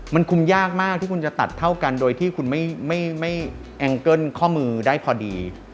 มันคุมยากมากที่คุณจะตัดเท่ากันโดยที่คุณไม่แองเกิ้ลข้อมือได้พอดี